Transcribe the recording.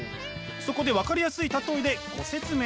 そこで分かりやすい例えでご説明。